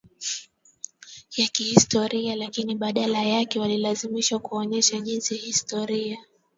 ya kihistoria lakini badala yake walilazimishwa kuonyesha jinsi historia